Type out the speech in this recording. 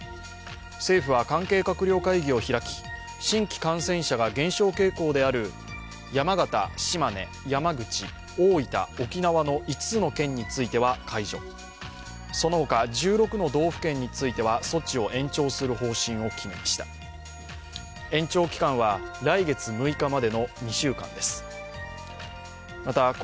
政府は関係閣僚会議を開き、新規感染者が減少傾向である山形、島根、山口、大分、沖縄の５つの県については解除その他１６の道府県については措置を延長する方針を決めました。